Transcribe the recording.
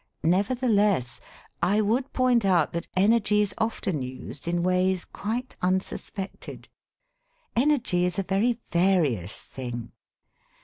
Nevertheless, I would point out that energy is often used in ways quite unsuspected. Energy is a very various thing.